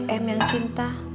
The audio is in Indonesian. em yang cinta